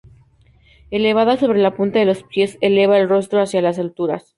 Elevada sobre la punta de los pies, eleva el rostro hacia las alturas.